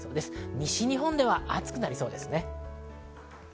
西日本では暑くなりそうです。